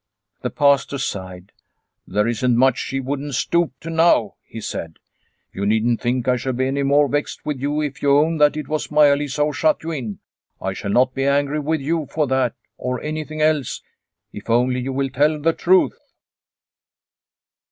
The Pastor sighed. " There isn't much she wouldn't stoop to now," he said. ' You needn't think I shall be any more vexed with you if you own that it was Maia Lisa who shut you in. I shall not be angry with you for that or any thing else if only you will tell the truth."